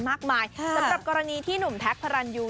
มากมายก์ฮ่าสำหรับกรณีที่หนุ่มและพันอยู